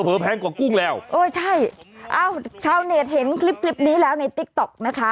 เผลอแพงกว่ากุ้งแล้วเออใช่ชาวเนทเห็นคลิปนี้แล้วในติ๊กต๊อกนะคะ